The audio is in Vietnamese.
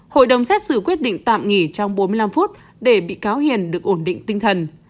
hội đồng xét xử quyết định tạm nghỉ trong bốn mươi năm phút để bị cáo hiền được ổn định tinh thần